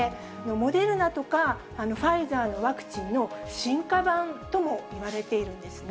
モデルナとか、ファイザーのワクチンの進化版ともいわれているんですね。